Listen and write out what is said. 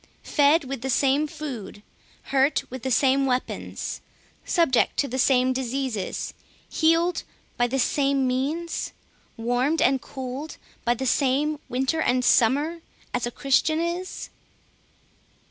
Fed with the same food, hurt with the same weapons, subject to the same diseases, healed by the same means, warmed and cooled by the same winter and summer, as a Christian is?